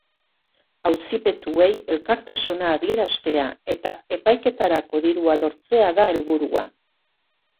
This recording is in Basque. Auzipetuei elkartasuna adieraztea eta epaiketarako dirua lortzea da helburua.